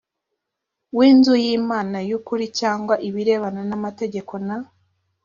w inzu y imana y ukuri cyangwa ibirebana n amategeko n